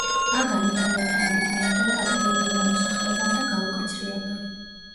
პაგანი თანდათანობით მიატოვა ადგილობრივმა მოსახლეობამ და გაუკაცრიელდა.